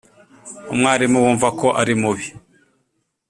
Umwarimu wumva ko ari mubi.